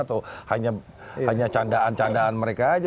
atau hanya candaan candaan mereka aja